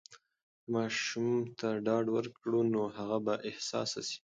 که ماشوم ته ډاډ ورکړو، نو هغه به بااحساسه سي.